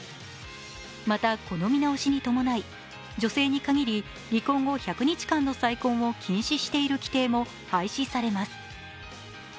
また、この見直しに伴い女性に限り離婚後１００日間の再婚を禁止している規定も廃止されます。